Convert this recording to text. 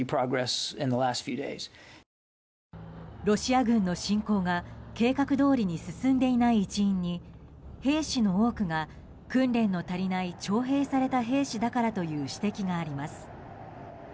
ロシア軍の侵攻が計画どおりに進んでいない一因に兵士の多くが訓練の足りない徴兵された兵士だからという指摘があります。